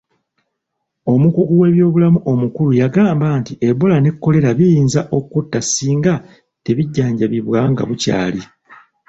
Omukugu w'ebyobulamu omukulu yagamba nti Ebola ne Kolera biyinza okutta singa tebijjanjabibwa nga bukyali.